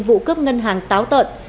vụ cướp ngân hàng táo tợn